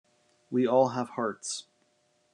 We all have hearts.